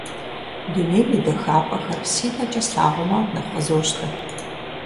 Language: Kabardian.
Дунейм и дахапӀэхэр си нэкӀэ слъагъумэ, нэхъ къызощтэ.